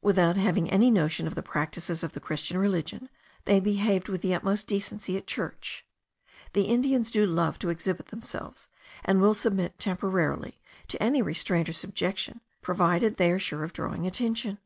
Without having any notion of the practices of the Christian religion, they behaved with the utmost decency at church. The Indians love to exhibit themselves; and will submit temporarily to any restraint or subjection, provided they are sure of drawing attention.